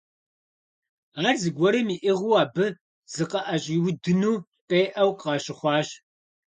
Ар зыгуэрым иӀыгъыу абы зыкъыӀэщӏиудыну къеӀэу къащыхъуащ.